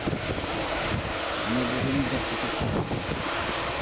আমরা দুজনেই তার চিকিৎসায় আছি।